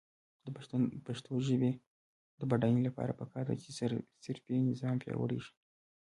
د پښتو ژبې د بډاینې لپاره پکار ده چې صرفي نظام پیاوړی شي.